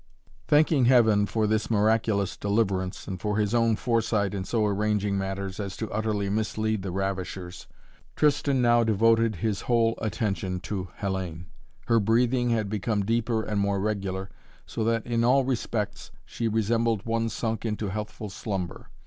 Thanking Heaven for this miraculous deliverance, and for his own foresight in so arranging matters as to utterly mislead the ravishers, Tristan now devoted his whole attention to Hellayne. Her breathing had become deeper and more regular, so that in all respects she resembled one sunk into healthful slumber.